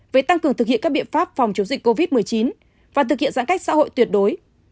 với tăng cường thực hiện các biện pháp phòng chống dịch covid một mươi chín và thực hiện giãn cách xã hội tuyệt đối